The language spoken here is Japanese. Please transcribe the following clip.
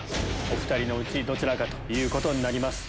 お２人のうちどちらかということになります。